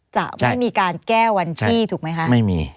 จะไม่มีการแก้วันที่ถูกไหมคะไม่มี